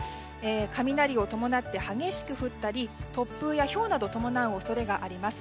雷を伴って激しく降ったり突風やひょうなどを伴う恐れがあります。